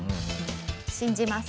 信じます。